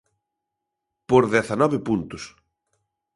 Por dezanove puntos.